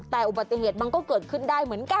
แต่อุบัติเหตุมันก็เกิดขึ้นได้เหมือนกัน